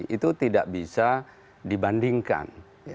itu tidak bisa dibandingkan